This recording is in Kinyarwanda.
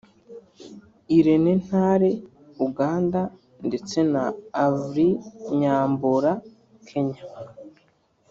Irene Ntale(Uganda) ndetse na Avril Nyambura(Kenya)